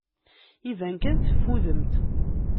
Iban kan teffudemt.